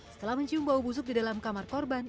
setelah mencium bau busuk di dalam kamar korban